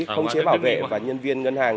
không chế bảo vệ và nhân viên ngân hàng